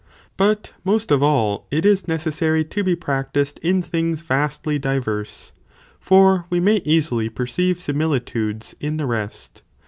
But most of all, it is necessary to be practised, in things vastly diverse, for we may easily perceive similitudes in the rest.